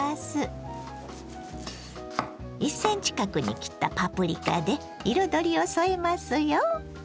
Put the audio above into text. １ｃｍ角に切ったパプリカで彩りを添えますよ。